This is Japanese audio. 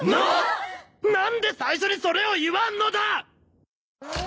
何で最初にそれを言わんのだ！